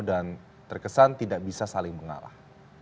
dan terkesan tidak bisa saling mengarah